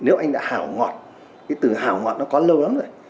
nếu anh đã hảo ngọt cái từ hảo ngọt nó có lâu lắm rồi